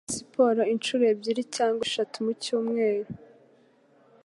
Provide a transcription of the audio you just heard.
Nkora muri siporo inshuro ebyiri cyangwa eshatu mu cyumweru.